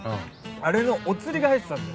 あれのお釣りが入ってたんだよ